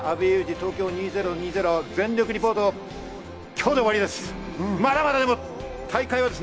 東京２０２０全力リポート、今日で終わりです。